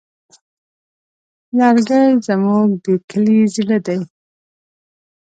لرګی زموږ د کلي زړه دی.